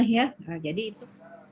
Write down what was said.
jadi itu yang kita lakukan